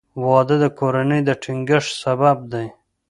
• واده د کورنۍ د ټینګښت سبب دی.